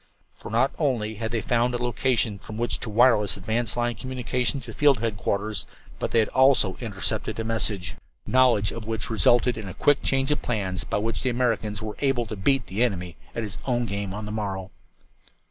For not only had they found a location from which to wireless advance line communications to field headquarters, but they had also intercepted a message, knowledge of which resulted in a quick change of plans by which the Americans were able to beat the enemy at his own game on the morrow.